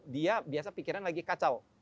dia biasa pikiran lagi kacau